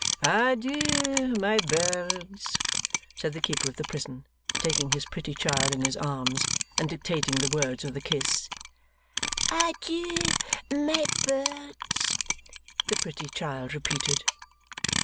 'Adieu, my birds!' said the keeper of the prison, taking his pretty child in his arms, and dictating the words with a kiss. 'Adieu, my birds!' the pretty child repeated.